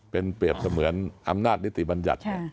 เป็นเปรียบเสมือนอำนาจนิติบัญญัติ